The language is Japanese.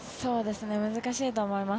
難しいと思います。